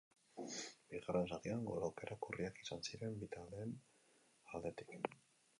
Bigarren zatian gol aukerak urriak izan ziren bi taldeen aldetik.